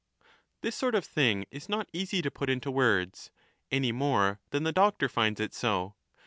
This sort of thing is not easy to put into words, any more than the doctor finds it so.